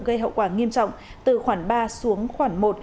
gây hậu quả nghiêm trọng từ khoảng ba xuống khoảng một